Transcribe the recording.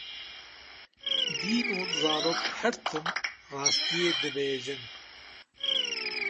Dîn û zarok her tim rastiyê dibêjin.